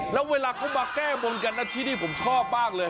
แล้วเวลาเขามาแก้บนกันนะที่นี่ผมชอบมากเลย